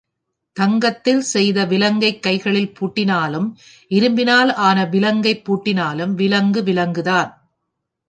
தங்கத்தினால் செய்த விலங்கைக் கைகளில் பூட்டினாலும், இரும்பினால் ஆன விலங்கைப் பூட்டினாலும் விலங்கு விலங்குதான்.